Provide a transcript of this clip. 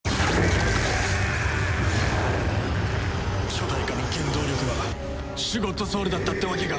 巨大化の原動力はシュゴッドソウルだったってわけか！